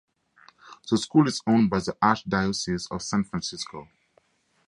The school is owned by the Archdiocese of San Francisco.